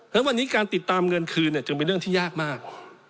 ฉะวันนี้การติดตามเงินคืนจึงเป็นเรื่องที่ยากมาก